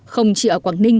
không chỉ ở quảng ninh